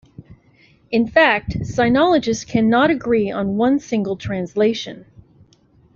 In fact, Sinologists cannot agree on one single translation.